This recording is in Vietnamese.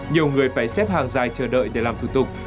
nhiều người phải xếp hàng dài chờ đợi để làm thủ tục